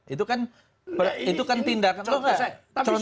itu kan tindakan